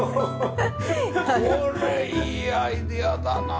これいいアイデアだなあ！